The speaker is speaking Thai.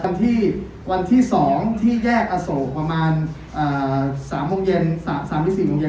วันที่วันที่สองที่แยกอโศกประมาณอ่าสามโมงเย็นสามที่สี่โมงเย็น